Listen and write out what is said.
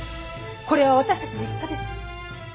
これは私たちの戦です。